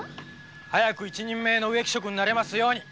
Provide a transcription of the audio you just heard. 早く一人前の植木職人になれますように。